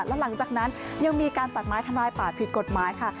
แล้วหลังจากนั้นยังมีการตัดไม้ทำลายป่าผิดกฎหมายค่ะ